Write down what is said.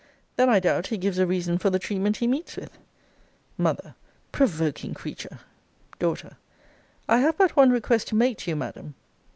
Then, I doubt, he gives a reason for the treatment he meets with. M. Provoking creature! D. I have but one request to make to you, Madam.